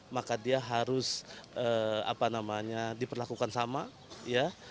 maka dia harus diperlakukan sama